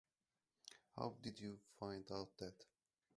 How did you find out that?